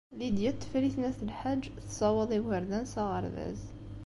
Lidya n Tifrit n At Lḥaǧ tessawaḍ igerdan s aɣerbaz.